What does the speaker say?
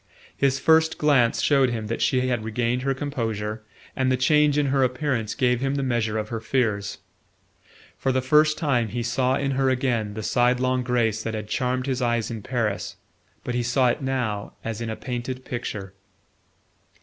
His first glance showed him that she had regained her composure, and the change in her appearance gave him the measure of her fears. For the first time he saw in her again the sidelong grace that had charmed his eyes in Paris; but he saw it now as in a painted picture.